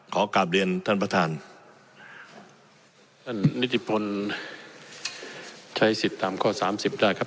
ขอกลับเรียนท่านประธานท่านนิติพลใช้สิทธิ์ตามข้อสามสิบได้ครับ